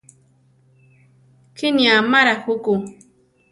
Kíni amará juku.